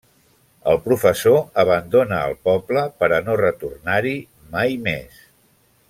El professor abandona el poble per a no retornar-hi mai més.